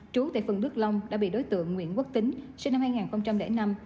trú tại phường đức long đã bị đối tượng nguyễn quốc tính sinh năm hai nghìn năm